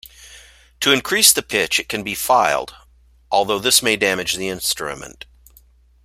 To increase the pitch, it can be filed, although this may damage the instrument.